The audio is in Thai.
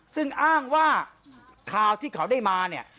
ซึ่งอ้างว่าข่าวที่เขาได้มาเนี่ย